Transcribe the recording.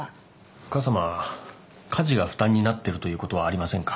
お母さま家事が負担になってるということはありませんか？